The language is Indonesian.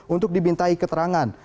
untuk dibintai keterangan